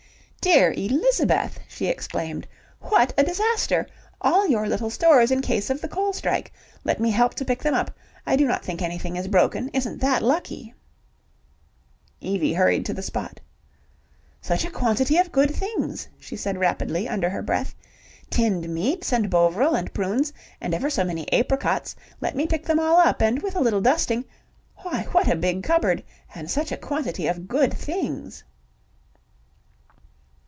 "Dear Elizabeth!" she exclaimed. "What a disaster! All your little stores in case of the coal strike. Let me help to pick them up. I do not think anything is broken. Isn't that lucky?" Evie hurried to the spot. "Such a quantity of good things," she said rapidly, under her breath. "Tinned meats and Bovril and prunes, and ever so many apricots. Let me pick them all up, and with a little dusting. ... Why, what a big cupboard, and such a quantity of good things."